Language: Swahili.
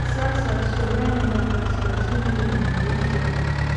sasa sudan ya kaskazini hiyo imesha